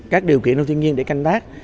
các điều kiện trong thiên nhiên để canh tác